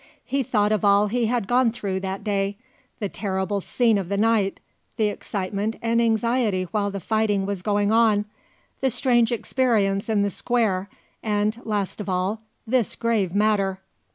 He thought of all he had gone through that day; the terrible scene of the night, the excitement and anxiety while the fighting was going on, the strange experience in the square, and, last of all, this grave matter.